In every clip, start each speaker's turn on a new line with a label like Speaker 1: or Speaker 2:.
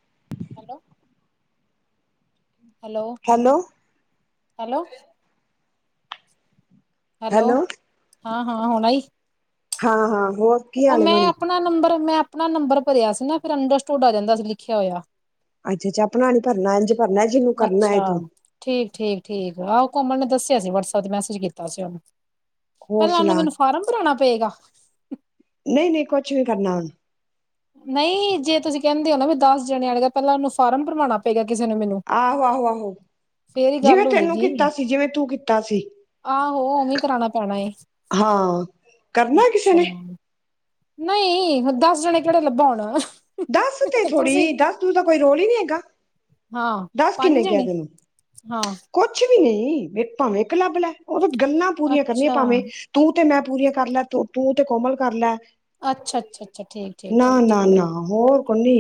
Speaker 1: [inaudible]
Speaker 2: Hello,
Speaker 1: hello
Speaker 2: hello hello ਹਾਂ, ਹਾਂ ਹੁਣ ਆਈ?
Speaker 1: ਹਾਂ, ਹਾਂ ਹੋਰ ਕੀ
Speaker 2: ਉਹ
Speaker 1: ਹਾਲ
Speaker 2: ਮੈਂ
Speaker 1: ਬਣੀ
Speaker 2: ਆਪਣਾ ਨੰਬਰ ਮੈਂ ਆਪਣਾ ਨੰਬਰ ਭਰਿਆ ਸੀ। ਨਾ ਫਿਰ ਅੰਡਰਸਟੁਡ ਆ ਸੀ ਲਿਖਿਆ ਹੋਇਆ।
Speaker 1: ਅੱਛਾ, ਅੱਛਾ ਆਪਣਾ ਨੀ ਭਰਨਾ, ਇੰਝ ਭਰਨਾ ਜਿਹਨੂੰ ਕਰਨਾ ਏ
Speaker 2: ਅੱਛਾ
Speaker 1: ਤੂੰ।
Speaker 2: ਠੀਕ, ਠੀਕ, ਠੀਕ ਆਹੋ ਕੋਮਲ ਨੇ ਦੱਸਿਆ ਸੀ। ਵਟਸਐਪ ਤੇ ਮੈਸੇਜ ਕੀਤਾ ਸੀ। ਉਹਨੂੰ
Speaker 1: ਹੋਰ
Speaker 2: ਪਹਿਲਾਂ ਉਹਨੂੰ
Speaker 1: ਸੁਣਾ
Speaker 2: ਮੈਨੂੰ ਫਾਰਮ ਭਰਾਉਣਾ ਪਏਗਾ?
Speaker 1: ਨਈ, ਨਈ ਕੁਛ ਨੀ ਕਰਨਾ ਹੁਣ।
Speaker 2: ਨਹੀਂ ਜੇ ਤੁਸੀਂ ਕਹਿੰਦੇ ਹੋ ਨਾ ਵੀ ਦੱਸ ਜਣੇ ਆਣੇਗਾ। ਪਹਿਲਾਂ ਉਹਨੂੰ ਫਾਰਮ ਭਰਮਾਉਣਾ ਪਏਗਾ। ਕਿਸੇ ਨੂੰ ਮੈਨੂੰ?
Speaker 1: ਆਹੋ, ਆਹੋ, ਆਹੋ
Speaker 2: ਫੇਰ ਹੀ
Speaker 1: ਜਿਵੇਂ
Speaker 2: ਗੱਲ
Speaker 1: ਤੈਨੂੰ
Speaker 2: ਹੁੰਦੀਗੀ
Speaker 1: ਕੀਤਾ ਸੀ। ਜਿਵੇਂ ਤੂੰ ਕੀਤਾ ਸੀ।
Speaker 2: ਆਹੋ ਉਵੀਂ ਕਰਾਣਾ ਪੈਣਾ ਏ।
Speaker 1: ਹਾਂ। ਕਰਨਾ ਕਿਸੇ
Speaker 2: ਅੱਛਾ
Speaker 1: ਨੇ
Speaker 2: ਨਹੀਂ ਦੱਸ ਜਣੇ ਕਿਹੜੇ ਲੱਭਾ ਹੁਣਾ
Speaker 1: ਦੱਸ ਤੇ ਥੋੜ੍ਹੀ ਦੱਸ ਦੂ ਦਾ ਕੋਈ ਰੋਲ ਹੀ ਨਹੀਂ ਹੈਗਾ।
Speaker 2: ਹਾਂ
Speaker 1: ਦੱਸ
Speaker 2: ਪੰਜ
Speaker 1: ਕਿੰਨੇ ਕਿਹਾ
Speaker 2: ਜਣੇ
Speaker 1: ਤੈਨੂੰ
Speaker 2: ਹਾਂ
Speaker 1: ਕੁਛ ਵੀ ਨਹੀਂ ਭਾਵੇਂ ਕ ਲੱਬ ਲੈ ਉਹ ਤਾਂ ਗੱਲਾਂ ਪੂਰੀਆਂ ਕਰਨੀਆਂ
Speaker 2: ਅੱਛਾ
Speaker 1: ਭਾਵੇਂ ਤੂੰ ਤੇ ਮੈਂ ਪੂਰੀਆਂ ਕਰ ਲੈ ਤ ਤੂੰ ਤੇ ਕੋਮਲ ਕਰ ਲੈ
Speaker 2: ਅੱਛਾ, ਅੱਛਾ, ਅੱਛਾ ਠੀਕ, ਠੀਕ,
Speaker 1: ਨਾ
Speaker 2: ਠੀਕ,
Speaker 1: ਨਾ ਨਾ
Speaker 2: ਠੀਕ
Speaker 1: ਹੋਰ ਕੋਈ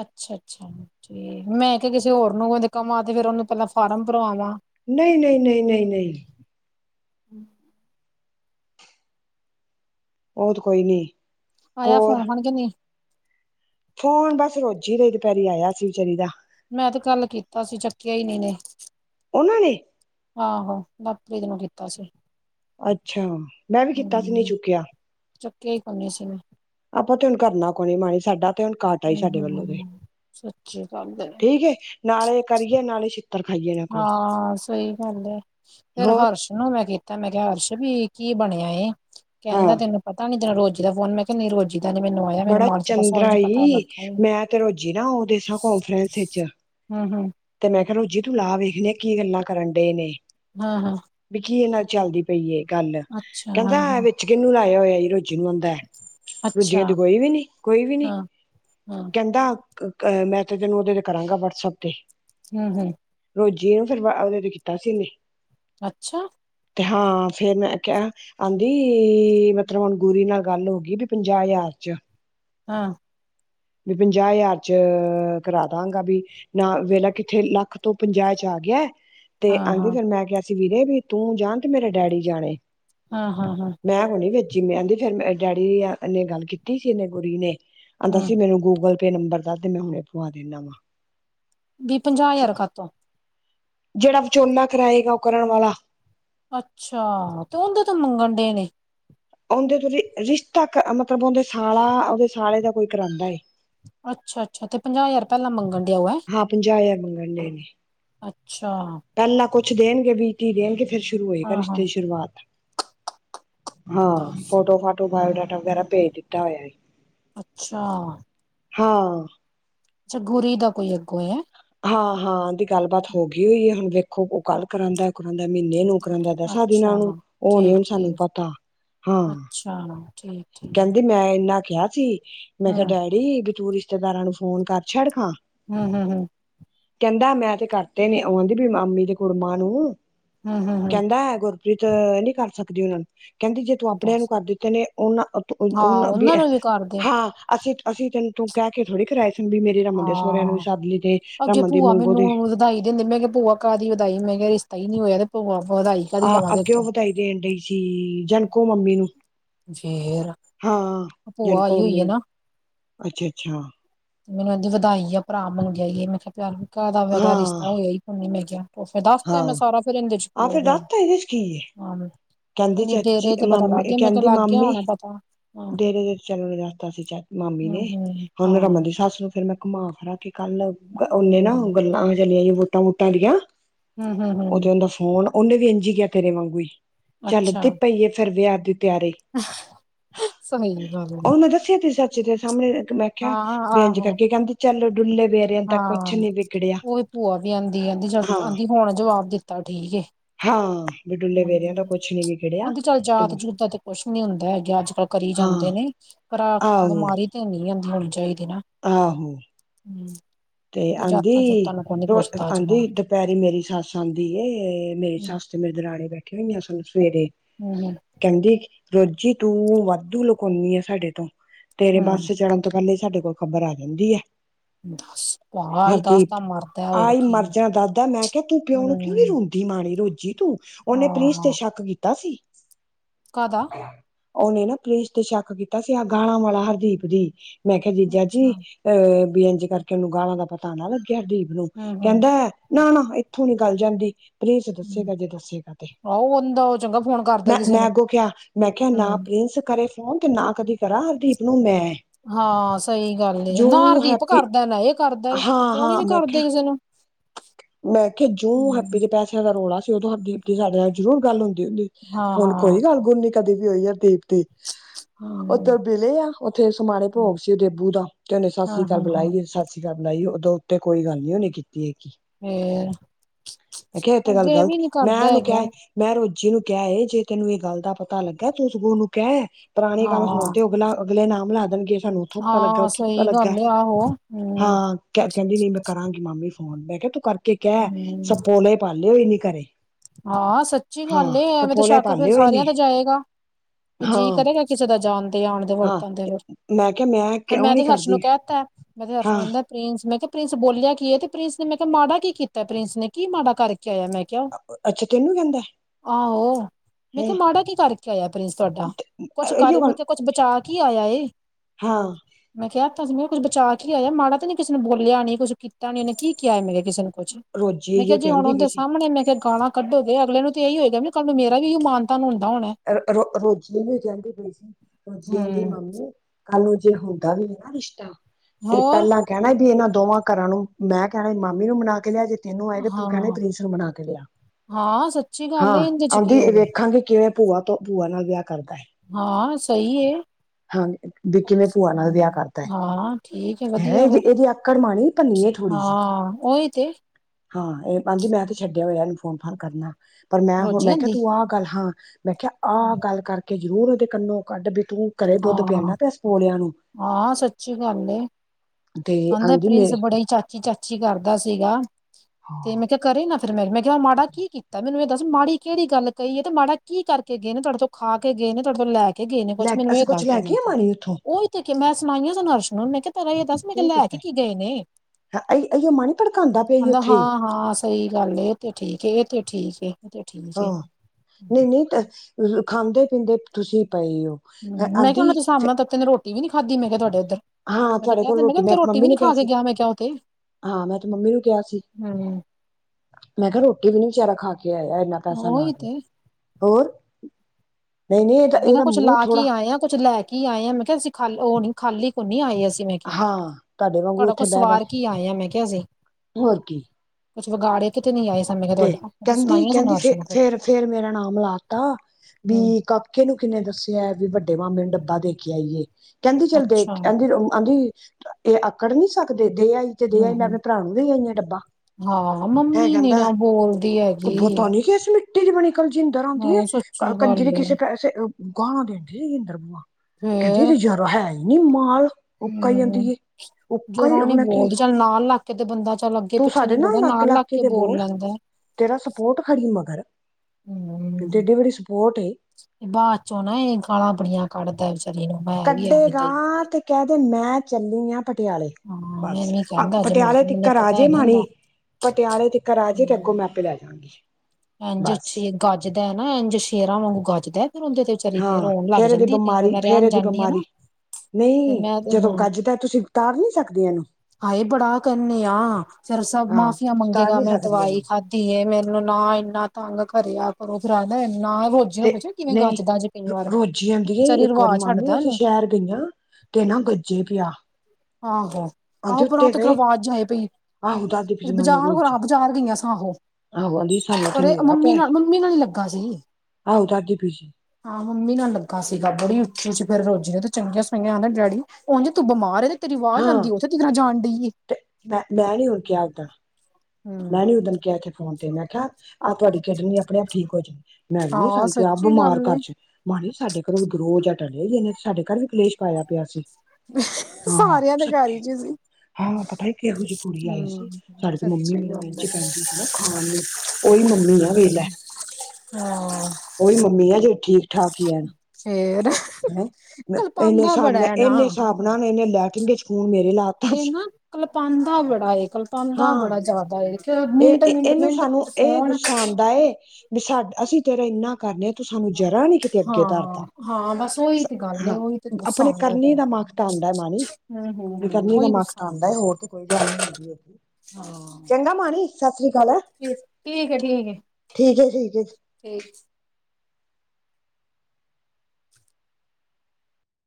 Speaker 2: ਅੱਛਾ-ਅੱਛਾ ਜੀ, ਮੈਂ ਕੇ ਕਿਸੇ ਹੋਰ ਨੂੰ ਕਮਾਂ, ਫਿਰ ਉਹਨੂੰ ਪਹਿਲਾਂ ਫਾਰਮ ਭਰਵਾਵਾਂ।
Speaker 1: ਨਈ, ਨਈ, ਨਈ, ਨਈ, ਨਈ ਓਹ ਤੇ ਕੋਈ ਨੀ।
Speaker 2: ਆਇਆ
Speaker 1: ਹੋਰ
Speaker 2: ਫੋਨ-ਫਾਣ ਕੇ ਨਈ।
Speaker 1: ਫੋਨ ਬਸ ਰੋਜੀ਼ ਦਾ ਦੁਪਹਿਰੀ ਆਇਆ ਸੀ‌, ਵਿਚਾਰੀ ਦਾ।
Speaker 2: ਮੈਂ ਤੇ ਕੱਲ ਕੀਤਾ ਸੀ, ਚੱਕਿਆ ਈ ਨਈ ਇਹਨੇ।
Speaker 1: ਓਨਾਂ ਨੇ
Speaker 2: ਆਹੋ ਨਵਪ੍ਰੀਤ ਨੂੰ ਕੀਤਾ ਸੀ।
Speaker 1: ਅੱਛਾ ਮੈਂ ਵੀ ਕੀਤਾ ਸੀ, ਨਈ
Speaker 2: ਹਮ
Speaker 1: ਚੁੱਕਿਆ।
Speaker 2: ਚੱਕਿਆ ਕੋਈ ਨੀ ਸੀ।
Speaker 1: ਆਪਾਂ ਤੇ ਹੁਣ ਕਰਨਾ ਕੋਣੀ ਮਾਣੀ ਸਾਡਾ। ਹੁਣ ਘਾਟ ਆਈ ਸਾਡੇ ਵੱਲੋਂ ਵੀ
Speaker 2: ਹਮ ਸੱਚੀ ਗੱਲ
Speaker 1: ਠੀਕ ਏ, ਨਾਲੇ ਕਰੀਏ ਨਾਲੇ ਛਿੱਤਰ ਖਾਈਏ। ਕੋਲੋਂ
Speaker 2: ਹਾਂ ਸਈ ਗੱਲ ਏ, ਫੇਰ
Speaker 1: ਹੋਰ
Speaker 2: ਹਰਸ਼ ਨੂੰ ਮੈਂ ਕੀਤਾ ਮੈਂ ਕਿਹਾ ਹਰਸ਼ ਵੀ ਕੀ ਬਣਿਆ ਏ,
Speaker 1: ਹਾਂ
Speaker 2: ਕਹਿੰਦਾ ਤੈਨੂੰ ਪਤਾ ਨੀ ਤੈਨੂੰ ਰੋਜੀ਼ ਦਾ ਫੋਨ ਮੈਂ ਕਿਹਾ ਨਹੀਂ ਰੋਜ਼ੀ ਦਾ ਨੀ ਮੈਨੂੰ ਆਇਆ ਮੈਨੂੰ
Speaker 1: ਬੜਾ
Speaker 2: ਮਾਨਸਾ ਦਾ
Speaker 1: ਚੰਦਰਾ
Speaker 2: ਉਂਝ ਪਤਾ
Speaker 1: ਈ,
Speaker 2: ਲੱਗਾ ਏ
Speaker 1: ਮੈਂ ਤੇ ਰੋਜੀ਼ ਨਾ ਉਹ ਦੇ ਸਾਂ ਕਨਫਰੰਸ ਸੀ ਚ
Speaker 2: ਹੂੰ, ਹੂੰ।
Speaker 1: ਤੇ ਮੈਂ ਕਿਹਾ ਰੋਜ਼ੀ ਤੂੰ ਲਾ ਵੇਖਦੇ ਆ, ਕੀ ਗੱਲਾਂ ਕਰਨ ਡਏ ਨੇ।
Speaker 2: ਹਾਂ, ਹਾਂ।
Speaker 1: ਵੀ ਕਿਹਦੇ ਨਾਲ ਚੱਲਦੀ ਪਈ ਏ ਗੱਲ,
Speaker 2: ਅੱਛਾ ਹਾਂ
Speaker 1: ਕਹਿੰਦਾ ਵਿੱਚ ਕਿਹਨੂੰ ਲਾਇਆ ਹੋਇਆ ਜੀ ਰੋਜੀ਼ ਨੂੰ ਰੂਜੀ਼
Speaker 2: ਅੱਛਾ
Speaker 1: ਕੇਂਦੀ ਕੋਈ ਵੀ ਨੀ, ਕੋਈ ਵੀ ਨੀ,
Speaker 2: ਹਾਂ ਹਾਂ
Speaker 1: ਕਹਿੰਦਾ ਮੈਂ ਤੇ ਤੈਨੂੰ ਉਹਦੇ ਤੇ ਕਰਾਂਗਾ, ਵਟਸਐਪ ਤੇ।
Speaker 2: ਹੂੰ, ਹੂੰ।
Speaker 1: ਰੋਜੀ਼ ਨੂੰ ਫੇਰ ਉਹਦੇ ਤੇ ਕੀਤਾ ਸੀ ਇਹਨੇ।
Speaker 2: ਅੱਛਾ।
Speaker 1: ਤੇ ਹਾਂ ਫੇਰ ਮੈਂ ਕਿਹਾ ਆਂਦੀ ਮਤਲਬ ਹੁਣ ਗੁਰੀ ਨਾਲ ਗੱਲ ਹੋ ਗਈ, ਵੀ ਪੰਜਾਹ ਹਜ਼ਾਰ ਚ
Speaker 2: ਹਾਂ
Speaker 1: ਵੀ ਪੰਜਾਹ ਹਜ਼ਾਰ ਚ ਕਰਾਦਾਂਗਾ ਵੀ ਨਾ ਵੇਲਾ ਕਿੱਥੇ ਲੱਖ ਤੋਂ ਪੰਜਾਹ ਚ ਆ ਗਿਆ। ਤੇ
Speaker 2: ਹਾਂ
Speaker 1: ਆਂਦੀ
Speaker 2: ਹਾਂ
Speaker 1: ਫਿਰ ਮੈਂ ਕਿਹਾ ਸੀ ਵੀਰੇ ਵੀ, ਤੂੰ ਜਾਣ ਤੇ ਮੇਰੇ ਡੈਡੀ ਜਾਣੇ।
Speaker 2: ਹਾਂ -ਹਾਂ -ਹਾਂ।
Speaker 1: ਮੈਂ ਹੁਣੀ ਵੇਚੀ ਮੈਂ ਆਹਿੰਦੀ, ਫੇਰ ਮੈਂ ਡੈਡੀ ਦੀ ਨੇ ਗੱਲ ਕੀਤੀ ਸੀ ਇਹਨੇ ਗੁਰੀ ਨੇ ਆਂਦਾ
Speaker 2: ਹੂੰ।
Speaker 1: ਸੀ ਮੈਨੂੰ ਗੂਗਲ ਪੇ ਨੰਬਰ ਦੱਸ, ਤੇ ਮੈਂ ਹੁਣੇੇ ਪਵਾ ਦਿੰਦਾ ਵਾ।
Speaker 2: ਵੀਹ ਪੰਜਾਹ ਹਜ਼ਾਰ ਖਾਤੋਂ
Speaker 1: ਜਿਹੜਾ ਵਿਚੋਲਾ ਕਰਾਏਗਾ, ਉਹ ਕਰਨ ਵਾਲਾ
Speaker 2: ਅੱਛਾ ਤੇ ਉਹਦੇ ਤੋਂ ਮੰਗਣ ਡਏ ਨੇ।
Speaker 1: ਉਹਦੇ ਤੋਂ ਰਿਸ਼ਤਾ ਮਤਲਬ ਦੇ ਉਹਦਾ ਸਾਲਾ, ਉਹਦੇ ਸਾਲੇ ਦਾ ਕੋਈ ਕਰਾਂਦਾ ਏ।
Speaker 2: ਅੱਛਾ -ਅੱਛਾ ਤੇ ਪੰਜਾਹ ਹਜ਼ਾਰ ਪਹਿਲਾਂ ਮੰਗਣ ਡਿਆ ਉਹ ਐਂ,
Speaker 1: ਹਾਂ ਪੰਜਾਹ ਹਜ਼ਾਰ ਮੰਗਣ ਡੇ ਨੇ
Speaker 2: ਅੱਛਾ।
Speaker 1: ਪਹਿਲਾਂ ਕੁਛ ਦੇਣਗੇ ਵੀਹ -ਤੀਹ ਦੇਣਗੇ, ਫਿਰ ਸ਼ੁਰੂ ਹੋਏਗਾ
Speaker 2: ਹਾਂ ਹਾਂ
Speaker 1: ਰਿਸ਼ਤੇ ਦੀ ਸ਼ੁਰੂਆਤ। ਹਾਂ
Speaker 2: ਦੱਸ
Speaker 1: ਫੋਟੋ-ਫਾਟੋ, ਬਾਇਓਡਾਟਾ ਵਗੈਰਾ ਭੇਜ ਦਿੱਤਾ ਹੋਇਆ ਏ।
Speaker 2: ਅੱਛਾ।
Speaker 1: ਹਾਂ
Speaker 2: ਅੱਛਾ ਗੁਰੀ ਦਾ ਕੋਈ ਅੱਗੋਂ ਐ।
Speaker 1: ਹਾਂ-ਹਾਂ ਓਦੀ ਗੱਲਬਾਤ ਹੋ ਗਈ ਹੋਈ ਐ, ਹੁਣ ਵੇਖੋ ਉਹ ਕੱਲ ਕਰਾਂਦਾ ਉਕਦਾ ਮਹੀਨੇ ਨੂੰ, ਉਕਰਾਂਦਾ ਦਸਾਂ ਦਿਨਾਂ
Speaker 2: ਅੱਛਾ
Speaker 1: ਨੂੰ ਉਹ ਨੀਂ ਹੁਣ ਸਾਨੂੰ ਪਤਾ! ਹਾਂ।
Speaker 2: ਹਾਂ
Speaker 1: ਕਹਿੰਦੀ ਮੈਂ ਇੰਨਾਂ ਕਿਹਾ ਸੀ ਮੈਂ
Speaker 2: ਹੂੰ
Speaker 1: ਕਿਹਾ ਡੈਡ ਵੀ ਤੂੰ ਰਿਸ਼ਤੇਦਾਰਾਂ ਨੂੰ ਫੋਨ ਕਰ ਛੱਡ ਖਾ
Speaker 2: ਹਂ ਹਂ ਹਂ।
Speaker 1: ਕਹਿੰਦਾ ਮੈਂ ਤੇ ਕਰਤੇ ਨੇਂ ਉਹ ਆਂਦੀ ਵੀ ਮਾਮੀ ਦੇ ਕੁੜਮਾਂ ਨੂੰ
Speaker 2: ਹੂੰ ਹੂੰ ਹੂੰ
Speaker 1: ਕਹਿੰਦਾ ਹੈ ਗੁਰਪ੍ਰੀਤ ਨੀਂ ਕਰ ਸਕਦੀ ਉਹਨਾਂ ਨੂੰ, ਕਹਿੰਦੀ ਜੇ ਤੂੰ ਆਪਣਿਆਂ ਨੂੰ
Speaker 2: ਦੱਸ
Speaker 1: ਕਰ ਦਿੱਤੇ ਨੇਂ ਉਹਨਾਂ ਅਤ ਉਹ
Speaker 2: ਹਾਂ
Speaker 1: ਉਨ੍ਹਾਂ ਵੀ,
Speaker 2: ਉਹਨਾਂ ਨੂੰ ਕਰਦੇ
Speaker 1: ਹਾਂ। ਅਸੀਂ ਅਸੀਂ ਤੈਨੂੰ ਤੂੰ ਕਹਿ ਕੇ ਥੋੜੀ ਕਰਾਏ ਸੀ ਵੀ ਮੇ ਰਮਨ ਦੇ ਸਹੁਰਿਆਂ
Speaker 2: ਹਾਂ
Speaker 1: ਨੂੰ ਵੀ ਸੱਦ ਲੀ ਤੇ
Speaker 2: ਅੱਗੇ
Speaker 1: ਰਮਨ ਦੀ
Speaker 2: ਭੂਆ
Speaker 1: ਮੰਗੋ
Speaker 2: ਮੈਨੂੰ
Speaker 1: ਦੀ
Speaker 2: ਵਧਾਈ ਦਿੰਦੇ ਮੈਂ ਕਿਹਾ ਭੂਆ ਕਾਹਦੀ ਵਧਾਈ ਮੈਂ ਕਿਹਾ ਰਿਸ਼ਤਾ ਹੀ ਨ੍ਹੀਂ ਹੋਇਆ ਤੇ ਭੂਆ ਵਧਾਈ ਕਾਹਦੀ
Speaker 1: ਆਹ
Speaker 2: ਲਵਾਂਗੇ
Speaker 1: ਅੱਗੇ ਉਹ
Speaker 2: ਇੱਥੋਂ
Speaker 1: ਵਧਾਈ ਦੇਣ ਡਹੀ ਸੀ, ਜਣਕੋ ਮੰਮੀ ਨੂੰ
Speaker 2: ਜੀਰ
Speaker 1: ਹਾਂ।
Speaker 2: ਭੂਆ ਆਈ
Speaker 1: ਜਣਕੋ ਮੰਮੀ
Speaker 2: ਹੋਈ ਐ
Speaker 1: ਨੂੰ
Speaker 2: ਨਾਂ।
Speaker 1: ਅੱਛਾ ਅੱਛਾ।
Speaker 2: ਤੇ ਮੈਨੂੰ ਆਂਦੀ ਵਧਾਈ ਆ, ਭਰਾ ਮੰਗ ਆਈ ਏ। ਮੈਂ ਖਿਆ ਭੈਣ ਕਾਹਦਾ ਮੈਂ ਕਿਹਾ
Speaker 1: ਹਾਂ
Speaker 2: ਰਿਸ਼ਤਾ ਹੋਇਆ ਹੀ ਕੋਈ ਨੀਂ ਮੈਂ ਕਿਆ ਤਾਂ ਫੇਰ ਦੱਸਦਾ ਮੈਂ
Speaker 1: ਹਾਂ
Speaker 2: ਸਾਰਾ ਫਿਰ ਇਹਦੇ ਚ ਕੀ
Speaker 1: ਆਹ
Speaker 2: ਹੋ
Speaker 1: ਫੇਰ
Speaker 2: ਗਿਆ।
Speaker 1: ਦੱਸਤਾ ਇਹਦੇ ਚ ਕੀ ਏ
Speaker 2: ਕਹਿੰਦੀ
Speaker 1: ਚਾਚੀ
Speaker 2: ਡੇਰੇ ਤੇ ਪਤਾ ਲੱਗ
Speaker 1: ਮਾਮੀ
Speaker 2: ਗਿਆ ਮੈਂ ਤੇ
Speaker 1: ਕਹਿੰਦੀ
Speaker 2: ਲੱਗ ਗਿਆ
Speaker 1: ਮਾਮੀ
Speaker 2: ਹੋੁਣਾ ਪਤਾ। ਹਾਂ।
Speaker 1: ਚੱਲਣ ਨੂੰ ਰਸਤਾ ਸੀ ਮਾਮੀ
Speaker 2: ਹੂੰ
Speaker 1: ਨੇਂ
Speaker 2: ਹੂੰ ਹਾਂ
Speaker 1: ਹੁਣ ਰਮਨ ਦੀ ਸੱਸ ਨੂੰ ਫੇਰ ਮੈਂ ਘੁਮਾ ਫਰਾ ਕਿ ਕੱਲ ਉਹਨੇਂ ਨਾ
Speaker 2: ਹੂੰ
Speaker 1: ਗੱਲਾਂ ਚਲੀਆਂ ਜੇ ਵੋਟਾਂ ਵੂਟਾਂ ਦੀਆਂ
Speaker 2: ਹੂੰ ਹੂੰ
Speaker 1: ਉਹ
Speaker 2: ਹੂੰ
Speaker 1: ਤੇ ਉਹਦਾ ਫੋਨ ਉਹਨੇਂ ਵੀ ਇੰਝ ਕਿਹਾ ਤੇਰੇ ਵਾਂਗੂ ਈਂ ਚੱਲਦੀ
Speaker 2: ਅੱਛਾ
Speaker 1: ਪਈਏ ਫੇਰ ਵਿਆਹ ਦੀ ਤਿਆਰੀ
Speaker 2: [unintelligible] ਸਹੀ ਗੱਲ ਏ।
Speaker 1: ਅੱਛੇ ਤੁ ਸੱਚੀ ਤੇਰੇ ਸਾਹਮਣੇ ਮੈਂ ਖਿਆ,
Speaker 2: ਹਾਂ
Speaker 1: ਵਿਅੰਜ
Speaker 2: ਆਹੋ
Speaker 1: ਕਰਕੇ ਕਹਿੰਦੀ
Speaker 2: ਹਾਂ,
Speaker 1: ਵਿਗੜਿਆ
Speaker 2: ਉਹ ਵੀ ਭੂਆ ਵੀ ਆਹਂਦੀ, ਆਂਦੀ
Speaker 1: ਹਾਂ
Speaker 2: ਆਂਦੀ ਹੁਣ ਜਵਾਬ ਦਿੱਤ ਤਾਂ ਠੀਕ ਏ।
Speaker 1: ਹਾਂ ਵੀ ਡੁੱਲੇ ਬੇਰਿਆਂ ਦਾ ਕੁਛ ਨੀ
Speaker 2: [unintelligible]
Speaker 1: ਵਿਗੜਿਆ
Speaker 2: ਆਂਦੀ ਚੱਲ
Speaker 1: ਤੇ
Speaker 2: ਜਾਤ-ਜੂਤ ਦਾ ਕੁਛ ਨੀਂ ਹੁੰਦਾ। ਅੱਜ-ਕੱਲ ਕਰੀ
Speaker 1: ਹਾਂ
Speaker 2: ਜਾਂਦੇ ਨੇਂ। ਪਰ
Speaker 1: ਆਹੋ
Speaker 2: ਬਿਮਾਰੀ ਤੇ ਨੀਂ ਹੋਣੀ ਚਾਹੀਦੀ ਨਾਂ।
Speaker 1: ਆਹੋ।
Speaker 2: ਹਂ।
Speaker 1: ਤੇ ਆਂਦੀ ਰ
Speaker 2: ਪੁੱਛਦਾ ਅੱਜ ਕੱਲ
Speaker 1: ਆਂਦੀ। ਦੁਪੈਰੀ ਮੇਰੀ ਸੱਸ ਆਂਦੀ ਏ, ਮੇਰੀ ਸੱਸ ਤੇ ਮੇਰੇ ਦਰਾਣੀ ਬੈਠੀ ਹੁੰਦੀਆਂ ਸਾਨੂੰ ਸਵੇਰੇ।
Speaker 2: ਹਂ।
Speaker 1: ਕਹਿੰਦੀ ਰੋਜ਼ੀ ਤੂੰ ਵਾਧੂ ਲੁਕਾਉਂਦੀ ਏ ਸਾਡੇ ਤੋਂ। ਤੇਰੇ ਬੱਸ
Speaker 2: ਹਮ
Speaker 1: ਚੜਣ ਕਹਿੰਦੀ ਸਾਡੇ ਕੋਲ ਖ਼ਬਰ ਆ ਜਾਂਦੀ ਐ।
Speaker 2: ਦਸ
Speaker 1: ਹਰਦੀਪ ਆਈ ਮਰ ਜਾਣਾ ਦੱਸਦਾ, ਮੈਂ ਕਿਹਾ ਤੂੰ ਪਿਓ ਨੂੰ ਕਿਉਂ ਨੀ
Speaker 2: ਹਮ
Speaker 1: ਰੂੰ ਦੀ ਮਾਣੀ ਰੋਜ਼ੀ ਤੂੰ ਉਹਨੇ ਪ੍ਰਿੰਸ ਤੇ ਸ਼ੱਕ ਕੀਤਾ ਸੀ।
Speaker 2: ਕਾਦਾ?
Speaker 1: [unintelligible] ਉਹਨੇਂ ਨਾ ਪ੍ਰਿੰਸ ਤੇ ਸ਼ੱਕ ਕੀਤਾ ਸੀ, ਗਾਲਾਂ ਵਾਲਾ ਹਰਦੀਪ ਦੀ। ਮੈਂ ਕਿਹਾ ਜੀਜਾ ਜੀ,
Speaker 2: ਅੱਛਾ
Speaker 1: ਅਹ ਬੇਅੰਜ ਕਰਕੇ ਉਹਨੂੰ ਗਾਲਾਂ ਦਾ ਪਤਾ ਨਾਂ ਲੱਗੇ ਹਰਦੀਪ ਨੂ
Speaker 2: ਹਮ ਹਮ
Speaker 1: ਕਹਿੰਦਾਂ ਨਾਂ ਨਾਂ ਇੱਥੋਂ ਨੀਂ ਗੱਲ ਜਾਂਦੀ, ਪ੍ਰੀੰਸ
Speaker 2: ਹਮ
Speaker 1: ਦੱਸੇਗਾ ਜੇ ਦੱਸੇਗਾ ਤੇ।
Speaker 2: ਆਹੋ ਉਹਦਾ ਉਹ ਚੰਗਾ ਫੋਨ ਕਰਦਾ
Speaker 1: ਮੈਂ
Speaker 2: ਕਿਸੇ
Speaker 1: ਮੈਂ
Speaker 2: ਨੂੰ
Speaker 1: ਅੱਗੋਂ ਕਿਹਾ, ਮੈਂ ਕਿਹਾ, ਨਾ
Speaker 2: ਹਮ
Speaker 1: ਪ੍ਰਿੰਸ ਕਰੇ ਹੁਣ ਤੇ ਨਾਂ ਕਦੀ ਕਰਾਂ ਹਰਦੀਪ ਨੂੰ ਮੈਂ
Speaker 2: ਹਾਂ, ਸਹੀ ਗੱਲ ਐ,
Speaker 1: ਜੋ
Speaker 2: ਨਾਂ ਹਰਦੀਪ
Speaker 1: ਹੈਪੀ
Speaker 2: ਕਰਦਾ ਨਾਂ ਇਹ ਕਰਦਾ
Speaker 1: ਹਾਂ
Speaker 2: ਫੋਨ
Speaker 1: ਹਾਂ
Speaker 2: ਨੀਂ
Speaker 1: ਮੈਂ
Speaker 2: ਕਰਦੇ
Speaker 1: ਕਿਹਾ
Speaker 2: ਕਿਸੇ ਨੂੰ
Speaker 1: ਮੈਂ ਕਿਹਾ ਜੂਂ ਹੈਪੀ
Speaker 2: ਹਮ
Speaker 1: ਦੇ ਪੈਸਿਆਂ ਦਾ ਰੌਲਾ ਸੀ ਉਦੋਂ ਹਦਦੀਪ ਦੀ ਸਾਡੇ ਨਾਲ ਜ਼ਰੂਰ ਗੱਲ ਹੁੰਦੀ ਹੁੰਦੀ।
Speaker 2: ਹਾਂ
Speaker 1: ਹੁਣ ਕੋਈ
Speaker 2: ਹਾਂ
Speaker 1: ਗੱਲ ਗੁਲ ਨ੍ਹੀਂ ਕਦੇ ਵੀ ਹੋਈ ਹਰਦੀਪ ਦੀ ਓਧਰ
Speaker 2: ਹਮ
Speaker 1: ਬੇਲੇ ਆ, ਉੱਥੇ ਸਮਾਣੇ ਭੋਗ ਸੀ ਡੇਬੂ ਦਾ ਤੇ ਉਹਨੇਂ ਸਤਿ
Speaker 2: ਹਾਂ
Speaker 1: ਸ੍ਰੀ ਅਕਾਲ
Speaker 2: ਹਾਂ ਹਾਂ
Speaker 1: ਬੁਲਾਈ। ਏ ਸਸ ਬਣਾਈ ਉਦੋਂ ਉੱਤੇ ਕੋਈ ਗੱਲ ਨੀਂ ਉਹਨੇਂ ਕੀਤੀ ਹੈਗੀ।
Speaker 2: ਫੇਰ
Speaker 1: ਮੈਂ ਕਿਹਾ, ਇਹ ਤੇ ਗੱਲ
Speaker 2: ਅੱਗੇ
Speaker 1: ਗ਼ਲਤ,
Speaker 2: ਵੀ ਨੀ
Speaker 1: ਮੈਂ
Speaker 2: ਕਰਦਾ
Speaker 1: ਇਹਨੂੰ
Speaker 2: ਹੈਗਾ
Speaker 1: ਕਿਹਾ? ਮੈਂ ਰੋਜੀ ਨੂੰ ਕਿਹਾ ਇਹ ਜੇ ਤੈਨੂੰ ਇਹ ਗੱਲ ਦਾ ਪਤਾ ਲੱਗਾ, ਤ ਉਸ ਸਗੋਂ ਓਨੂੰ ਕਹਿ ਪੁਰਾਣੀ ਗੱਲ ਹੋਣ
Speaker 2: ਹਾਂ
Speaker 1: ਤੇ ਅਗਲਾ, ਅਗਲੇ ਨਾਮ ਲਾ ਦੇਣਗੇ ਸਾਨੂੰ ਉੱਥੋਂ ਪਤਾ ਲੱਗਾ,
Speaker 2: ਹਾਂ
Speaker 1: ਉੱਥੋਂ ਪਤਾ
Speaker 2: ਸਹੀ
Speaker 1: ਲੱਗਾ,
Speaker 2: ਗੱਲ ਏ ਆਹੋ ਹਮ
Speaker 1: ਹਾਂ ਕ ਕਹਿੰਦੀ, ਨ ਮੈਂ ਕਰਾਂਗੀ ਮਾਮੀ ਫੋਨ, ਮੈਂ ਕਿਹਾ ਤੂੰ ਕਰ ਕੇ ਕਹਿ,
Speaker 2: ਹਮ
Speaker 1: ਸਪੋਲੇ ਪਾਲੇ ਹੀ ਨੀ ਘਰੇ
Speaker 2: ਹਾਂ ਸੱਚੀ
Speaker 1: ਹਾਂ
Speaker 2: ਗੱਲ, ਐਵੇਂ ਤਾਂ
Speaker 1: ਸਪੋਲੇ
Speaker 2: ਸ਼ੱਕ, ਫਿਰ
Speaker 1: ਪਾਲੇ ਹੋਏ ਨੀ
Speaker 2: ਸਾਰਿਆਂ ਦਾ ਜਾਏਗਾ। ਜੀਅ
Speaker 1: ਹਾਂ
Speaker 2: ਕਰੇਗਾ, ਕਿਸੇ ਦਾ ਜਾਣਦੇ ਆਉਣਦੇ
Speaker 1: ਹਾਂ
Speaker 2: ਵਰਤਨ ਤੇ, ਫਿਰ
Speaker 1: ਮੈਂ ਕਿਹਾ
Speaker 2: ਫਿਰ,
Speaker 1: ਕਿਉਂ
Speaker 2: ਮੈਂ
Speaker 1: ਨੀ
Speaker 2: ਤੇ ਹਰਸ਼
Speaker 1: ਕਰਦੀ
Speaker 2: ਨੂੰ ਕਹਿ ਦਿੱਤਾ, ਮੈਂ ਤੇ ਹਰਸ਼
Speaker 1: ਹਾਂ
Speaker 2: ਅੰਦਰ ਪ੍ਰਿੰਸ, ਮੈਂ ਕਿਹਾ ਪ੍ਰਿੰਸ ਬੋਲਿਆ ਕੀ ਏ, ਤੇ ਪ੍ਰਿੰਸ ਨੇ ਮੈਂ ਕਿਹਾ ਮਾੜਾ ਕੀ ਕੀਤਾ, ਪ੍ਰਿੰਸ ਕੀ ਮਾੜਾ ਕਰਕੇ ਆਇਆ, ਮੈਂ ਕਿਹਾ
Speaker 1: ਅੱਛਾ, ਤੈਨੂੰ ਕਹਿੰਦਾ?
Speaker 2: ਆਹੋ, ਮੈਂ
Speaker 1: ਹੈ
Speaker 2: ਕਿਹਾ, ਮਾੜਾ ਕੀ ਕਰਕੇ ਆਇਆ ਪ੍ਰਿੰਸ ਤੁਹਾਡਾ। ਕੁਛ
Speaker 1: ਇਹੀਓ
Speaker 2: ਕਰ,
Speaker 1: ਗੱਲ
Speaker 2: ਮਤਲਬ ਕੁਛ ਬਚਾ ਕੇ ਈ ਆਇਆ ਏ
Speaker 1: ਹਾਂ
Speaker 2: ਮੈਂ ਕਿਹ, ਤਾ ਸੀ ਮ ਕਿਹਾ ਕੁੱ ਬਚਾ ਕੇ ਆਇਆ, ਮਾੜਾ ਤੇ ਨੀ ਕਿਸੇ ਨੂੰ ਬੋਲਿਆ ਨਈ, ਕੁੱਛ ਕੀਤਾ ਨਈ ਉਹਨੇ ਕੀ ਕਿਹਾ ਮੇਰੇ ਕਿਸੇ ਨੂੰ, ਕੁਛ
Speaker 1: ਰੋਜੀ
Speaker 2: ਮੈਂ
Speaker 1: ਇਹੀਓ
Speaker 2: ਕਿਹਾ, ਜੇ ਹੁਣ
Speaker 1: ਕਹਿੰਦੀ ਪਈ
Speaker 2: ਉਹਦੇ
Speaker 1: ਸੀ
Speaker 2: ਸਾਹਮਣੇ, ਮੈਂ ਕਿਹਾ ਗਾਲਾਂ ਕੱਢੋ ਤੇ, ਅਗਲੇ ਨੂੰ ਤੇ ਇਹੀ ਹੋਏਗਾ, ਵੀ ਕੱਲ ਨੂੰ ਮੇਰਾ ਵੀ ਇਉਂ ਮਾਨਤਾਨ ਹੁੰਦਾ ਹੋਣਾ
Speaker 1: ਰੋਜ਼ੀ ਨੂੰ, ਕਹਿੰਦੀ ਪਈ ਸੀ, ਰੋਜ਼ੀ ਦੀ
Speaker 2: ਹੂੰ।
Speaker 1: ਮੰਮੀ? ਕੱਲ ਨੂੰ, ਜੇ ਹੁੰਦਾ ਵੀ ਹੈ ਨਾ ਰਿਸ਼ਤਾ, ਤੇ
Speaker 2: ਹੋਰ
Speaker 1: ਪਹਿਲਾਂ ਕਹਿਣਾ ਕਿ, ਇਹਨਾਂ ਦੋਵਾਂ ਘਰਾਂ ਨੂੰ, ਮੈਂ ਕਹਿਣਾ ਮਾਮੀ ਨੂੰ ਮਨਾ ਕੇ ਲਿਆ, ਜੇ ਤੈਨੂੰ ਆਏ ਕੇ ਤੂੰ ਕਹਿਣਾ
Speaker 2: ਹਾਂ,
Speaker 1: ਪ੍ਰਿੰਸ ਨੂੰ ਮਣਾ ਕੇ ਲਿਆ,
Speaker 2: ਹਾਂ ਸੱਚੀ ਗੱਲ ਏ
Speaker 1: ਹਾਂ
Speaker 2: ਇਹਦੇ ਚ ਕੀ
Speaker 1: ਆਉਂਦੀ
Speaker 2: ਹੋਵੇ
Speaker 1: ਵੇਖਾਂਗੇ ਕਿਵੇਂ, ਭੂਆ ਤੋਂ ਭੂਆ ਬਿਨਾ, ਨਾਲ ਵਿਆਹ ਕਰਦਾ ਏ
Speaker 2: ਹਾਂ, ਸਹੀ ਏ
Speaker 1: ਹਾਂਜੀ ਵਿਕੀ ਨੇ, ਭੂਆ ਨਾਲ ਦਾ ਵਿਆਹ ਕਰਤਾ ਏ,
Speaker 2: ਹਾਂ ਠੀਕ ਹੈ
Speaker 1: ਹੈਂ
Speaker 2: ਵਧੀਆ
Speaker 1: ਇਹਦੀ
Speaker 2: ਫਿਰ
Speaker 1: ਇਹਦੀ ਆਕੜ ਮਾੜੀ ਭਨੀਏ, ਥੋੜ੍ਹੀ ਜਿਹੀ
Speaker 2: ਓਹੀ ਤੇ,
Speaker 1: ਹਾਂ, ਇਹ ਆਾਂਦੀ, ਮੈਂ ਤੇ ਛੱਡਿਆ ਹੋਇਆ ਇਹਨੂੰ ਫੋਨ ਫਾਨ ਕਰਨਾ। ਪਰ ਮੈਂ ਹੁਣ,
Speaker 2: ਰੋਜੀ
Speaker 1: ਮੈਂ ਕਿਹਾ
Speaker 2: ਹੁੰਦੀ
Speaker 1: ਤੂੰ ਆਹ ਕਰ ਹਾਂ, ਮੈਂ ਕਿਹਾ ਆਹ ਗੱਲ ਕਰ ਤੇ ਜ਼ਰੂਰ ਉਹਦੇ ਕੰਨੋ ਕੱਢ ਦੇ, ਤੂੰ ਘਰੇ ਦੁੱਧ
Speaker 2: ਹਾਂ,
Speaker 1: ਪਿਆਦਾ ਪਿਆ, ਸਪੋ
Speaker 2: ਹਾਂ, ਸੱਚੀ ਗੱਲ
Speaker 1: ਤੇ
Speaker 2: ਕਹਿੰਦਾ
Speaker 1: ਆਂਦੀ
Speaker 2: ਪ੍ਰਿੰਸ,
Speaker 1: ਮੇਰੇ
Speaker 2: ਬੜਾ ਹੀ ਚਾਚੀ ਚਾਚੀ ਕਰਦਾ ਸੀਗਾ
Speaker 1: ਹਾਂ
Speaker 2: ਤੇ ਕਰੇ ਨਾ ਫ਼ਿਰ ਮੈਂ ਮੈਂ ਕਿਹਾ ਮਾੜਾ ਕੀ ਕੀਤਾ, ਮੈਨੂੰ ਇਹ ਦੱਸ ਮਾੜੀ ਕਿਹੜੀ ਗੱਲ ਕਹੀ, ਤੇ ਮਾੜਾ ਕੀ ਕਰਕੇ ਗਏ ਨੇ, ਤੁਹਾਡੇ ਤੋਂ ਖਾ ਕੇ ਗਏ ਨੇ ਫਿਰ, ਲੈ ਕੇ ਗਏ ਨੇ ਕੁਛ
Speaker 1: ਲੈ
Speaker 2: ਮੈਨੂੰ
Speaker 1: ਅਸੀਂ
Speaker 2: ਇਹ
Speaker 1: ਕੁੱਛ
Speaker 2: ਦੱਸਦੇ।
Speaker 1: ਲੈ
Speaker 2: ਮੈਂ
Speaker 1: ਗਏ
Speaker 2: ਕਿਹਾ,
Speaker 1: ਮਾਣੀ ਉੱਥੋਂ
Speaker 2: ਉਹਹੀ ਮੈਂ ਸੁਣਾਈਆ। ਸੰਨਰਸ਼ ਨੂੰ ਮੈਂ ਕਿਹਾ, ਤੇਰਾ ਇਹ ਦੱਸ, ਮੈਂ ਲੈ ਕੇ। [inaudible] ਕੀ--ਕੀ ਗਏ ਨੇ?
Speaker 1: ਅ, ਇਓ ਇਓ ਉਹ ਮਾਂ ਨੂੰ, ਭੜਕਾ ਦਾ ਪਿਆ
Speaker 2: ਕਹਿੰਦਾ ਹਾਂ
Speaker 1: ਉੱਥੇ,
Speaker 2: ਹਾਂ ਸਹੀ ਗੱਲ। ਇਹ ਤੇ ਠੀਕ। ਇਹ ਤੇ ਠੀਕ। ਤੇ ਠੀਕ ਏ
Speaker 1: ਹਾਂ। ਨਹ ਨਹੀਂ। ਖਾਂਦੇ-ਪੀਂਦੇ ਤੁਸੀਂ ਪਏ ਹੋ।
Speaker 2: ਹੂ ਮੈਂ ਕਿਹਾ,
Speaker 1: ਆਂਦੀ
Speaker 2: ਉਹਨਾਂ ਤੇ ਹਿਸਾਬ ਨਾਲ, ਤਨੇ ਤੇ ਰੋਟੀ ਵੀ ਨੀ ਖਾਦੀ, ਮੇਰੇ ਤੁਹਾਡੇ ਓਥੇ
Speaker 1: ਹਾਂ। ਤੁਹਾਡੇ ਕੋਲ ਰੋਟੀ। ਮੈਂ ਤੇ ਮੰਮੀ ਨੂੰ ਕਿਹਾ ਸੀ।
Speaker 2: ਗਿਆ ਮੈਂ ਕਿਹਾ ਉਹ
Speaker 1: ਹਾਂ, ਮੈਂ ਤੇ ਮੰਮੀ ਨੂੰ ਕਿਹਾ ਸੀ।
Speaker 2: ਹੂ
Speaker 1: ਮੈਂ ਕਿਹਾ, ਰੋਟੀ ਵੀ ਨਈ। ਵਿਚਾਰਾ ਖਾ ਕੇ ਆਇਆਂ, ਇੰਨਾ ਪੈਸਾ ਲਾ
Speaker 2: ਉਹੀ
Speaker 1: ਕੇ
Speaker 2: ਤੇ
Speaker 1: ਹੋਰ। ਨਹੀਂ ਨਹੀਂ ਇਹਦਾ
Speaker 2: ਮੈਂ ਕਿਹਾ,
Speaker 1: ਇਹਦਾ
Speaker 2: ਕੁਛ
Speaker 1: ਮੂੰਹ
Speaker 2: ਲਾ
Speaker 1: ਥੋੜਾ
Speaker 2: ਕੇ ਆਏ, ਕੁੱਛ ਲੈ ਕੇ ਆਏ ਆ, ਮੈਂ ਕਿਹਾ, ਅਸੀਂ ਖਾਲੀ ਕੋਈ ਆਏ, ਅਸੀਂ ਮੈਂ ਕਿਹਾ,
Speaker 1: ਹਾਂ ਤੁਹਾਡੇ ਵਾਂਗੂ
Speaker 2: ਤੁਹਾਡਾ
Speaker 1: ਉੱਥੇ
Speaker 2: ਕੁਜ,
Speaker 1: ਬਹਿ ਬਹਿ
Speaker 2: ਸਵਾਰ ਕੀ ਆਏ ਆ, ਮੈਂ ਕਿਹਾ ਅਸੀਂ
Speaker 1: ਹੋਰ ਕੀ
Speaker 2: ਕੁਛ ਵਿਗਾੜੇ ਕਿਤੇ ਨੀ ਆਏ ਸ ਮੈਂ ਕਿਹਾ
Speaker 1: ਤੇ
Speaker 2: ਤੁਹਾਡਾ ਤੁਸੀਂ
Speaker 1: ਕਹਿੰਦੀ
Speaker 2: ਸੁਣਾਈਆਂ ਸਾਨੂੰ
Speaker 1: ਕਹਿੰਦੀ
Speaker 2: ਅਰਸ਼ਨਾ ਫਿਰ
Speaker 1: ਫੇ-ਫੇਰ ਫੇਰ ਮੇਰਾ ਨਾਮ ਲਾਤਾ।
Speaker 2: ਹਮ
Speaker 1: ਬੀ ਕਾਕੇ ਨੂੰ ਕਿੰਨੇ ਦੱਸਿਆ? ਵੀ ਵੱਡੇ ਮਾਮੇ ਨੂੰ ਡੱਬਾ ਦੇ ਕੇ ਆਈਏ। ਕਹਿੰਦੀ, ਚੱਲ ਦੇਖ
Speaker 2: ਅੱਛਾ
Speaker 1: ਕਹਿੰਦੀ, ਆਦੀ ਇਹ ਆਂਕੜ ਨਈ ਸਕਦੀ, ਦੇ ਆਈ। ਦੇ
Speaker 2: ਹਮ
Speaker 1: ਆਈ। ਮੈਂ
Speaker 2: ਹਮ
Speaker 1: ਆਪਣੇ ਭਰਾ ਨੂੰ, ਦੇ ਆਈ ਹਾਂ। ਡੱਬਾ
Speaker 2: ਹਾਂ ਮੰਮੀ ਨੀ ਨਾ ਬੋਲਦੀ ਹੈਗੀ
Speaker 1: ਕਿਸ ਮਿੱਟੀ ਦੀ ਬਣੀ ਕੱਲ ਜਿੰਦਰ ਆਉਂਦੀ ਹੈ
Speaker 2: ਹਾਂ ਸੱਚੀ ਗੱਲ
Speaker 1: ਕੰਜਰੀ
Speaker 2: ਏ
Speaker 1: ਕਿਸੇ ਪੈਸੇ। ਗਾਲਾਂ ਦੇਿੰਦੀ ਸੀ ਇੰਦਰ ਬੂਆ
Speaker 2: ਫੇਰ
Speaker 1: ਕਹਿੰਦੀ ਜ਼ਰਾ ਹੈ ਹੀ ਨੀ ਮਾਲ ਉੱਕਾਈ ਆਉਂਦੀ ਹੈ।
Speaker 2: ਜ਼ਰਾ ਨੀ ਬੋਲਦੇ। ਚੱਲ ਨਾਲ ਲੱਗ ਕੇ ਤੇ ਬੰਦਾ ਚੱਲ। ਅੱਗੇ-ਪਿੱਛੇ ਨੀ ਬੋਲਦਾ। ਨਾਲ ਲੱਗ ਕੇ ਬੋਲ ਲੈਂਦਾ।
Speaker 1: ਤੇਰਾ ਸਪੋਰਟ ਖੜੀ ਮਗਰ ਏਡੇ,
Speaker 2: ਹਮ
Speaker 1: ਏਡੇ ਵੱਡੇ ਸਪੋਰਟ ਏ।
Speaker 2: ਬਾਅਦ' ਚੋਂ ਨਾ ਇਹ ਗਾਲਾਂ ਬੜੀਆਂ ਕੱਢਦਾ ਵਿਚਾਰੀ ਨੂੰ। ਮੈਂ ਵੀ ਐਵੇਂ
Speaker 1: ਕੱਢੇਗਾ
Speaker 2: ਦਾ ਹੀ
Speaker 1: ਤੇ ਕਹਿ ਦੇ, ਮੈਂ ਚੱਲੀ ਹਾਂ ਪਟਿਆਲੇ।
Speaker 2: ਹਾਂ
Speaker 1: ਬਸ,
Speaker 2: ਐਵੇਂ
Speaker 1: ਆਹ
Speaker 2: ਕਹਿੰਦਾ ਜੇ
Speaker 1: ਪਟਿਆਲੇ
Speaker 2: ਮਰਜ਼ੀ ਮੈਨੂੰ
Speaker 1: ਤਿਕਰ
Speaker 2: ਪਤਾ ਹੈ
Speaker 1: ਆਜੇ
Speaker 2: ਨਾ ਇਹਦਾ
Speaker 1: ਮਾਣੀ। ਪਟਿਆਲੇ ਤੀਕਰ ਆ ਜਾਏ, ਅੱਗੋਂ
Speaker 2: ਹਮ
Speaker 1: ਮੈਂ ਆਪੇ ਲੈ ਜਾਵਾਂਗੀ।
Speaker 2: ਇੰਝ
Speaker 1: ਬਸ
Speaker 2: ਸ਼ੇਰ ਗੱਜਦਾ ਨਾ, ਇੰਝ ਸ਼ੇਰਾਂ ਵਾਂਗੂ ਗੱਜਦਾ। ਫੇਰ ਉਹਦੇ ਤੇ। ਚਲੀ ਤੇ
Speaker 1: ਹਾਂ
Speaker 2: ਰੋਣ ਲੱਗ
Speaker 1: ਫੇਰ ਇਹਦੀ
Speaker 2: ਜਾਂਦੀ ਹੁੰਦੀ
Speaker 1: ਬਿਮਾਰੀ
Speaker 2: ਮੈਂ
Speaker 1: ਫੇਰ
Speaker 2: ਰਹਿਣ
Speaker 1: ਇਹਦੀ
Speaker 2: ਜਾਂਦੀ ਹਾਂ ਨਾ।
Speaker 1: ਬਿਮਾਰੀ
Speaker 2: ਫਿਰ
Speaker 1: ਨਹੀਂ,
Speaker 2: ਮੈਂ ਤੇ
Speaker 1: ਜਦੋਂ
Speaker 2: ਹਾਂ
Speaker 1: ਗੱਜਦਾ ਤੁਸੀਂ ਉਤਾਰ ਨਹੀਂ ਸਕਦੇ ਇਹਨੂੰ।
Speaker 2: ਹਾਏ, ਬੜਾ ਕਹਨੇ ਆ। ਫਿਰ ਸਭ
Speaker 1: ਹਾਂ
Speaker 2: ਮਾਫੀਆ
Speaker 1: ਉਤਾਰ
Speaker 2: ਮੰਗੇਗਾ
Speaker 1: ਨੀ
Speaker 2: ਮੈਂ
Speaker 1: ਸਕਦੇ
Speaker 2: ਦਵਾਈ
Speaker 1: ਇਹਨੂੰ
Speaker 2: ਖਾਧੀ। ਦੀਏ, ਮੈਨੂੰ ਨਾ ਇੰਨਾ ਤੰਗ ਕਰਿਆ। ਪਰ ਉਹ ਕਹਿੰਦਾ ਇੰਨਾ। ਨੂੰ
Speaker 1: ਤੇ
Speaker 2: ਪੁੱਛਿਆ ਕਿਵੇਂ
Speaker 1: ਨਹੀਂ,
Speaker 2: ਗੱਜਦਾ ਜੇ ਕਈ ਵਾਰ
Speaker 1: ਰੋਜ਼ੀ ਆਉਂਦੀ ਆ
Speaker 2: ਵਿਚਾਰੀ
Speaker 1: ਇੱਕ ਵਾਰੀ
Speaker 2: ਰਵਾ
Speaker 1: ਮਾਮੀ
Speaker 2: ਛੱਡਦਾ
Speaker 1: ਅਸੀਂ
Speaker 2: ਉਹਨੂੰ
Speaker 1: ਸ਼ਹਿਰ ਗਈਆਂ। ਤੇ ਨਾ ਗੱਜੇ ਪਿਆ।
Speaker 2: ਆਹੋ, ਆਹੋ,
Speaker 1: ਆਂਦੇ
Speaker 2: ਪਰ ਉਹ
Speaker 1: ਉੱਤੇ
Speaker 2: ਤੱਕ
Speaker 1: ਗਏ
Speaker 2: ਆਵਾਜ਼ ਆਏ ਪਈ।
Speaker 1: ਆਹੋ ਦੱਸਦੀ ਪਈ ਸੀ ਮੈਨੂੰ
Speaker 2: ਬਾਜ਼ਾਰ
Speaker 1: ਰੋਜੀ
Speaker 2: ਖਰਾਬ। ਬਾਜ਼ਾਰ ਗਈਆਂ ਸਾ ਆਹੋ।
Speaker 1: ਆਹੋ ਆਂਦੀ ਸਾਨੂੰ ਉੱਥੇ
Speaker 2: ਅਰੇ,
Speaker 1: ਹਨੇਰਾ
Speaker 2: ਮੰਮੀ
Speaker 1: ਪੈ
Speaker 2: ਨਾਲ, ਮੰਮੀ ਨਾਲ ਇ ਲੱਗਾ ਸੀ।
Speaker 1: ਆਹੋ ਦਾਦੀ ਬੀਜੀ
Speaker 2: ਹਾਂ, ਮੰਮੀ ਨਾਲ ਲੱਗਾ ਸੀਗਾ। ਬੜੀ ਉੱਚੀ। ਉਰ ਫੇਰ ਰੋਜ਼ੀ ਨੇ ਤਾਂ ਚੰਗੀਆਂ ਸੁਣਈਆਂ। ਆਹਦਾ ਡੈਡੀ। ਉੰਝ ਤੂੰ ਬਿਮਾਰ ਏ, ਤੇ ਤੇਰੀ ਆਵਾਜ਼
Speaker 1: ਹਾਂ
Speaker 2: ਆਂਦੀ ਉਥੇ ਤੀਕਰ ਜਾਣ ਡਈਏ।
Speaker 1: ਤੇ ਮੈਂ ਮੈਂ ਨੀ ਹੁਣ ਕਿਹਾ ਓਦਣ ਮੈਂ ਨਹੀਂ ਓਦਣ ਕਿਹਾ ਕੇ ਫੋਨ ਤੇ ਮੈਂ ਕਿਹਾ, ਆਹ ਤੁਹਾਡੀ ਕਿਡਨੀ ਆਪਣੇ ਆਪ ਠੀਕ ਹੋ ਜਾਣੀ। ਮੈਂ ਕਹਿਨੀ
Speaker 2: ਹਾਂ
Speaker 1: ਸਾਨੂੰ ਕੇ ਆਪ
Speaker 2: ਸੱਚੀ
Speaker 1: ਬਿਮਾਰ
Speaker 2: ਗੱਲ
Speaker 1: ਕਰ
Speaker 2: ਏ
Speaker 1: ਛੱਡਿਆ। ਮਾਣੀ ਸਾਡੇ ਘਰੋਂ ਗ੍ਰਹਿ ਜਿਹਾ ਟਲ ਗਿਆ ਇ ਇਹਨੇ ਸਾਡੇ ਘਰ ਵੀ ਕਲੇਸ਼ ਪਾਇਆ ਪਿਆ ਸੀ। ਹਾਂ
Speaker 2: ਸਾਰਿਆਂ ਦੇ ਘਰ ਹੀ'
Speaker 1: ਸੱਚੀ
Speaker 2: ਚ ਸੀ।
Speaker 1: ਹਾਂ, ਪਤਾ ਕਿਹੋ ਜਿਹੀ ਕੁੜੀ ਆਈ
Speaker 2: ਹੂੰ
Speaker 1: ਸੀ। ਸਾਡੇ ਤੋਂ ਮੰਮੀ
Speaker 2: ਸੱਚੀ
Speaker 1: ਮੈਨੂੰ।
Speaker 2: ਗੱਲ ਏ।
Speaker 1: ਜੋ ਪੈਂਦੀ ਸੀ ਨਾ ਖਾਣ ਨੂੰ, ਓਹੀ ਮੰਮੀ ਆ ਵੇਖ ਲੈ।
Speaker 2: ਹਾਂ
Speaker 1: ਓਹੀ ਮੰਮੀ ਆ, ਜੋ ਠੀਕ ਠਾਕ ਹੀ ਹੈ।
Speaker 2: ਫ਼ਿਰ।
Speaker 1: ਹੈਂ, ਮੈ ਇੰਨੇ ਹਿਸਾਬ, ਇੰਨੇ ਹਿਸਾਬ ਨਾਲ ਨੇ। ਇੰਨੇ ਲੈ ਕੇ ਗਏ ਸੂਟ ਮੇਰੇ ਨਾਲ।
Speaker 2: ਇਹ ਨਾ ਕਲਪਾਂਦਾ ਬੜਾ ਏ। ਕਲਪਾਂਦਾ
Speaker 1: ਹਾਂ
Speaker 2: ਬੜਾ ਜ਼ਿਆਦਾ।
Speaker 1: ਇਹ
Speaker 2: ਮਿੰਟ ਮਿੰਟ
Speaker 1: ਇਹਨੂੰ
Speaker 2: ਮਿੰਟ
Speaker 1: ਸਾਨੂੰ
Speaker 2: ਮਿੰਟ
Speaker 1: ਇਹ
Speaker 2: ਫੋਨ
Speaker 1: ਗੁੱਸਾ ਆਉਂਦਾ ਏ। ਵੀ ਸਾਡਾ ਅਸੀਂ ਤੇਰਾ ਇੰਨਾ। ਕਰਨੇ ਆ ਤੂੰ ਸਾਨੂੰ ਜ਼ਰਾ ਨੀ ਕਿਤੇ
Speaker 2: ਹਾਂ
Speaker 1: ਅੱਗੇ ਧਾਰਦਾ
Speaker 2: ਹਾਂ ਬਸ ਉਹੀ ਤੇ ਗੱਲ ਏ
Speaker 1: ਹਾਂ
Speaker 2: ਉਹੀ ਤੇ ਗੁੱਸਾ
Speaker 1: ਆਪਣੇ
Speaker 2: ਆਂਦਾ ਫਿਰ
Speaker 1: ਕਰਨੀ ਦਾ ਮੱਖ। ਟਾਂਡਾ ਮਾਣੀ
Speaker 2: ਹੂੰ ਹੂੰ ਹੂੰ।
Speaker 1: ਨਿਕਰਨੀ ਦਾ
Speaker 2: ਉਹੀ
Speaker 1: ਮਾਖਟ
Speaker 2: ਗੁੱਸਾ
Speaker 1: [unintelligible] ਆਉਂਦਾ
Speaker 2: ਆਂਦਾ
Speaker 1: ਹੋਰ ਤੇ ਕੋਈ ਗੱਲ਼ ਨੀਂ ਹੁੰਦੀ ਹੈਗੀ।
Speaker 2: ਹਾਂ।
Speaker 1: ਚੰਗਾ ਮਾਣੀ ਸਤਿ ਸ੍ਰੀ ਅਕਾਲ
Speaker 2: ਠੀਕ ਹੈਂ ਠੀਕ ਹੈਂ।
Speaker 1: ਠੀਕ ਹੈ ਠੀਕ ਹੈ
Speaker 2: ਇਹ ਚ